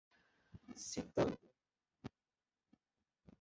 citando